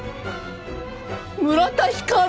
村田光？